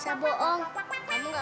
sudah aku bilang aku gak nangis